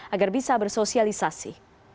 agar bisa bersosialisasi